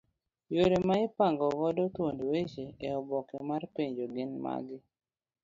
Yore ma ipango godo thuond weche eoboke mar penjo gin magi